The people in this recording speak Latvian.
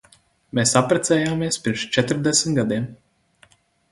Mēs apprecējāmies pirms četrdesmit gadiem.